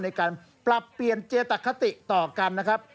ในการปรับเปลี่ยนเจตคติต่อกันนะครับ